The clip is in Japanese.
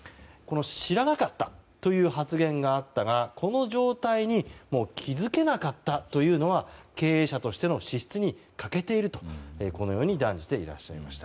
知らなかったという発言があったがこの状態に気づけなかったというのは経営者としての資質に欠けているとこのように断じていらっしゃいました。